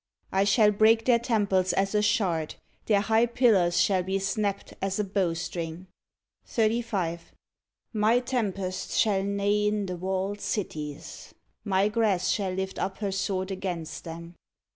I shall break their temples as a shard; their high pillars shall be snapt as a bow string. 35. My tempests shall neigh in the walled cities; My grass shall lift up her sword against them; 36.